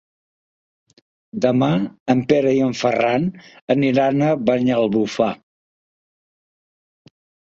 Demà en Pere i en Ferran aniran a Banyalbufar.